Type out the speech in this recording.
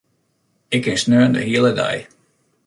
Ik kin sneon de hiele dei.